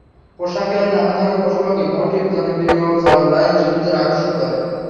পোশাকে নানা ধরনের পশুপাখির মোটিফ, জনপ্রিয় ছড়ার লাইন শিশুদের আকর্ষণ করে।